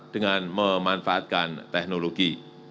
dengan memanfaatkan teknologi